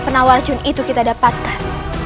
penawar cun itu kita dapatkan